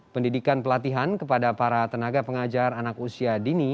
pendidikan pelatihan kepada para tenaga pengajar anak usia dini